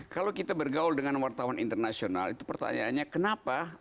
kalau kita bergaul dengan wartawan internasional itu pertanyaannya kenapa